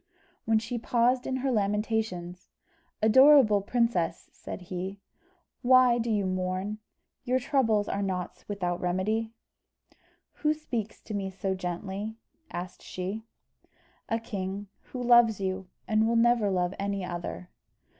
When she paused in her lamentations, "Adorable princess," said he, "why do you mourn? Your troubles are not without remedy." "Who speaks to me so gently?" asked she. "A king, who loves you, and will never love any other."